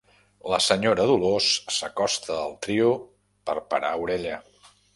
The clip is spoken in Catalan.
La senyora Dolors s'acosta al trio per parar orella.